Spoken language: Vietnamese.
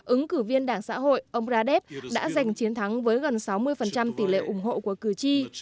ứng cử viên đảng xã hội ông pradesh đã giành chiến thắng với gần sáu mươi tỷ lệ ủng hộ của cử tri